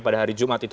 pada hari jumat itu